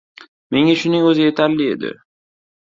Menga shuning o‘zi yetarli edi.